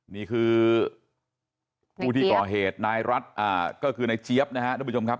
นี่คือผู้ที่ก่อเหตุนายรัฐก็คือนายเจี๊ยบนะครับทุกผู้ชมครับ